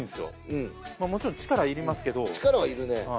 うんもちろん力いりますけど力はいるね